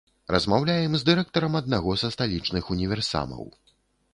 Размаўляем з дырэктарам аднаго са сталічных універсамаў.